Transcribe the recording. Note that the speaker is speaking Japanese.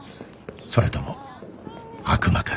それとも悪魔か？